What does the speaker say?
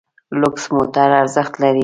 لوکس موټر ارزښت لري.